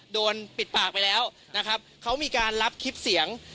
โดนปิดปากไปแล้วนะครับเขามีการรับคลิปเสียง